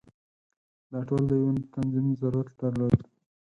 دا ټول د یو تنظیم ضرورت درلود.